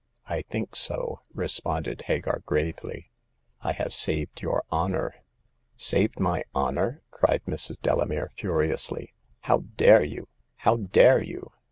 " I think so," responded Hagar, gravely. " I have saved your honor." Saved my honor !" cried Mrs. Delamere, furiously. " How dare you ! How dare you